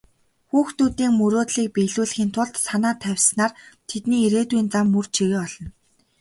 Хүүхдүүдийн мөрөөдлийг биелүүлэхийн тулд санаа тавьснаар тэдний ирээдүйн зам мөр чигээ олно.